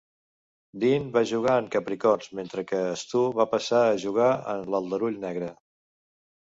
Dean va jugar en Capricorns, mentre que Stu va passar a jugar en l'Aldarull negre.